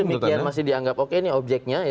jika pun demikian masih dianggap oke ini objeknya